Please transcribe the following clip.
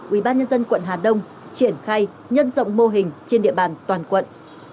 quỹ ban nhân dân quận hà đông triển khai nhân dọng mô hình trên địa bàn toàn quận